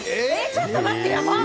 ちょっと待ってやばっ！